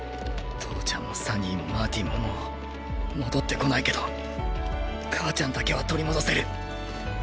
父ちゃんもサニーもマーティンももう戻ってこないけど母ちゃんだけは取り戻せる。